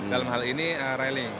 dalam hal ini railing